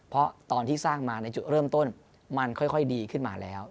เพราะตอนที่สร้างมาในจุดเริ่มต้นมันค่อยดีขึ้นมาแล้ว